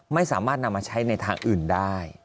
ไม่สามารถนำมาใช้ในทางอื่นได้